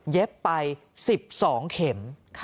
เย็บไป๑๒เข็ม